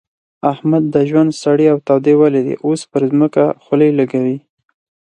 احمد د ژوند سړې او تودې وليدې؛ اوس پر ځمکه خولې لګوي.